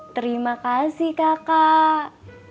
terima kasih kakak